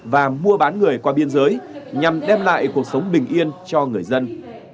và mua bán người qua biên giới nhằm đem lại cuộc sống bình yên cho người dân